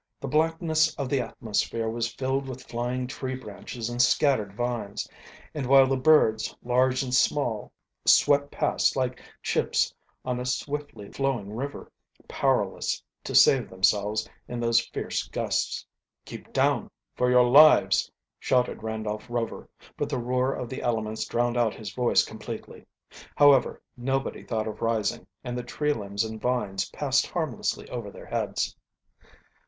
The blackness of the atmosphere was filled with flying tree branches and scattered vines, while the birds, large and small, swept past like chips on a swiftly flowing river, powerless to save themselves in those fierce gusts. "Keep down, for your lives!" shouted Randolph Rover; but the roar of the elements drowned out his voice completely. However, nobody thought of rising, and the tree limbs and vines passed harmlessly over their heads.